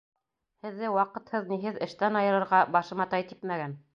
Һеҙҙе ваҡытһыҙ-ниһеҙ эштән айырырға башыма тай типмәгән.